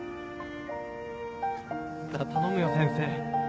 なぁ頼むよ先生。